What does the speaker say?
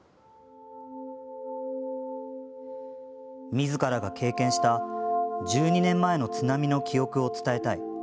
みずからが経験した１２年前の津波の記憶を伝えたい。